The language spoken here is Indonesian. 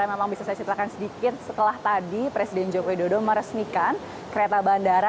memang bisa saya ceritakan sedikit setelah tadi presiden joko widodo meresmikan kereta bandara